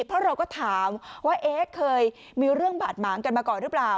เพราะเราก็ถามว่าเอ๊ะเคยมีเรื่องบาดหมางกันมาก่อนหรือเปล่า